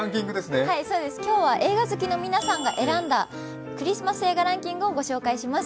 今日は映画好きの皆さんが選んだクリスマス映画ランキングをご紹介します。